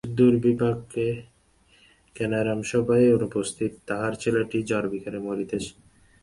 আজ দৈবদুর্বিপাকে কেনারাম সভায় অনুপস্থিত–তাহার ছেলেটি জ্বরবিকারে মরিতেছে।